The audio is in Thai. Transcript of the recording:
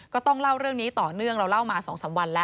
ก็ต้องเล่าเรื่องนี้ต่อเนื่องเราเล่ามา๒๓วันแล้ว